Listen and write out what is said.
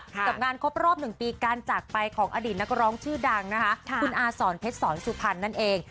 กับงานครบรอบ๑ปีการจากไปของอดีตนักร้องชื่อดังนะคะคุณอาสอนเพชรสอนสุพรรณนั่นเอง